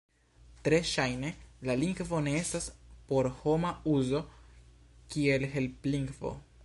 Tre ŝajne, la lingvo ne estas por homa uzo kiel helplingvo.